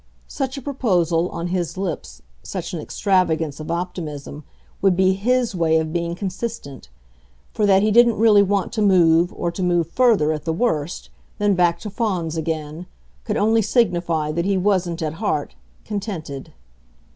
Such a proposal, on his lips, such an extravagance of optimism, would be HIS way of being consistent for that he didn't really want to move, or to move further, at the worst, than back to Fawns again, could only signify that he wasn't, at heart, contented.